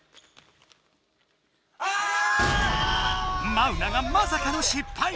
マウナがまさかの失敗！